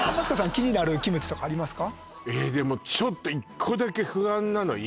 気になるキムチとかありますか？